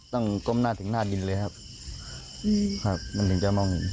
ก้มหน้าถึงหน้าดินเลยครับครับมันถึงจะมองเห็น